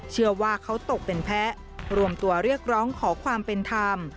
เชื่อว่าเขาตกเป็นแพ้รวมตัวเรียกร้องขอความเป็นธรรม